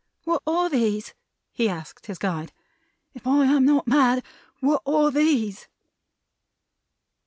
"What are these?" he asked his guide. "If I am not mad, what are these?"